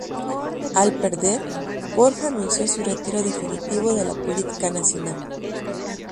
Al perder, Borja anunció su retiro definitivo de la política nacional.